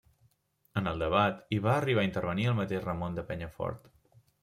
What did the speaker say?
En el debat, hi va arribar a intervenir el mateix Ramon de Penyafort.